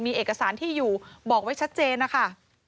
มีเอกสารที่อยู่บอกไว้ชัดเจนนะคะ